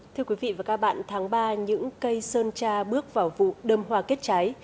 thưa quý vị và các bạn tháng ba những cây sơn tra bước vào vụ đơm hoa kết trái